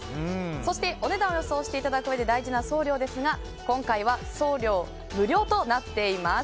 そしてお値段を予想していただくうえで大事な送料ですが今回は送料無料となっています。